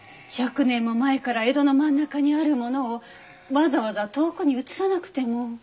１００年も前から江戸の真ん中にあるものをわざわざ遠くに移さなくても。